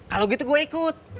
kalau gitu gue ikut